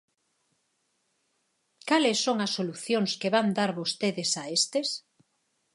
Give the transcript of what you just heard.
¿Cales son as solucións que van dar vostedes a estes?